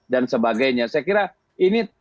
dan sebagainya saya kira ini